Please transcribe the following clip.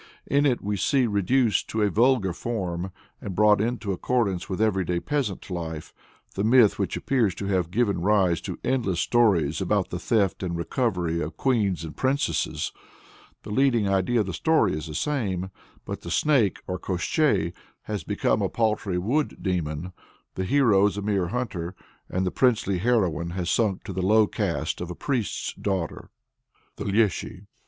In it we see reduced to a vulgar form, and brought into accordance with everyday peasant life, the myth which appears to have given rise to the endless stories about the theft and recovery of queens and princesses. The leading idea of the story is the same, but the Snake or Koshchei has become a paltry wood demon, the hero is a mere hunter, and the princely heroine has sunk to the low estate of a priest's daughter. THE LÉSHY.